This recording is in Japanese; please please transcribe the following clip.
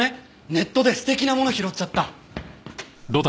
ネットで素敵なもの拾っちゃった。